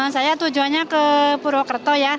saya tujuannya ke purwokerto ya